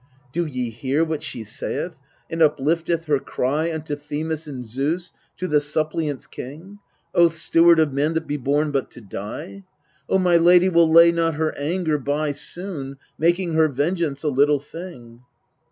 Do ye hear what she saith, and uplifteth her cry Unto Themis and Zeus, to the Suppliant's King, Oath steward of men that be born but to die ? Oh, my lady will lay not her anger by Soon, making her vengeance a little thing.